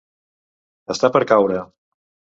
Estar per caure.